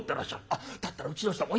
「あっだったらうちの人も。